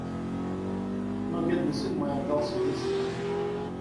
Но бедный сын мой отдался весь ей.